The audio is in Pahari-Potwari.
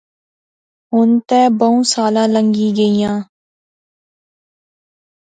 ہن تہ بہوں سالاں لنگی گئیاں